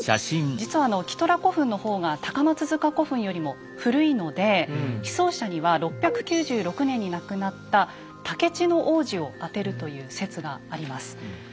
実はキトラ古墳の方が高松塚古墳よりも古いので被葬者には６９６年に亡くなった高市皇子をあてるという説があります。